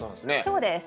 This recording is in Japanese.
そうです。